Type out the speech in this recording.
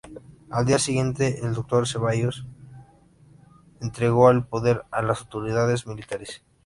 Al día siguiente, el Dr. Ceballos entregó el poder a las autoridades militares.